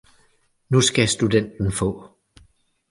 Nu skal studenten få!